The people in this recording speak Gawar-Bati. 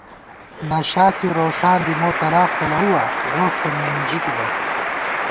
نشا ݪی روݭان دی مو تلاخ تلَؤوا روݭ تہ نِمِنژِی تِبہ